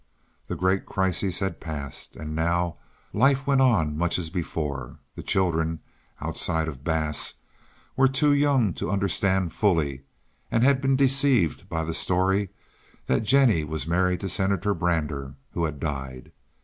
The great crisis had passed, and now life went on much as before. The children, outside of Bass, were too young to understand fully, and had been deceived by the story that Jennie was married to Senator Brander, who had died.